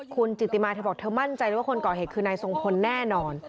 คุณจิติมาเธอบอกเธอมั่นใจเลยว่าคนก่อเหตุคือนายทรงพลแน่นอน